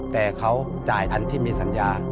แต่เขาจ่ายอันที่มีสัญญา